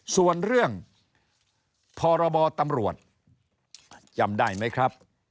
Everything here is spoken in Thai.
ส่วนเรื่องพรบตำรวจจำได้ไหมครับ